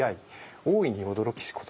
大いに驚きしことあり。